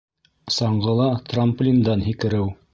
Саңғыла трамплиндан һикереү